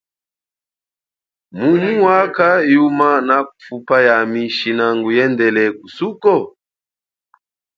Mumu wakha yuma nakufupa yami shina nguyendele kusuko?